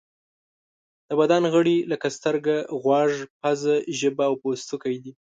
د بدن غړي لکه سترګه، غوږ، پزه، ژبه او پوستکی دي.